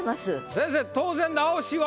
先生当然直しは？